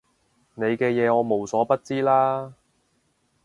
你嘅嘢我無所不知啦